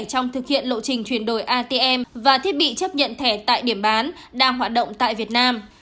trong thực hiện lộ trình chuyển đổi atm và thiết bị chấp nhận thẻ tại điểm bán đang hoạt động tại việt nam